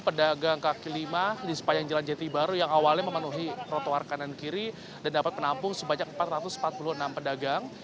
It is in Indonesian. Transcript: pedagang kaki lima di sepanjang jalan jati baru yang awalnya memenuhi trotoar kanan kiri dan dapat menampung sebanyak empat ratus empat puluh enam pedagang